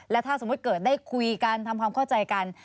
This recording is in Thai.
ถ้าสมมุติเกิดได้คุยกันทำความเข้าใจกัน